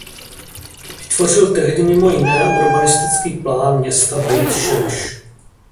Vytvořil tehdy mimo jiné urbanistický plán města Bejt Šemeš.